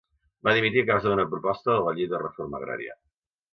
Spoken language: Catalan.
Va dimitir a causa d'una proposta de la Llei de Reforma Agrària.